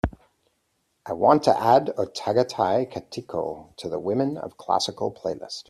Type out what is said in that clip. I want to add Ottagathai Kattiko to the women of classical playlist.